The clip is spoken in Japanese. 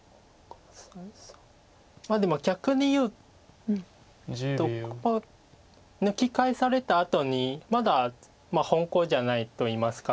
でも逆にいうとここは抜き返されたあとにまだ本コウじゃないといいますか。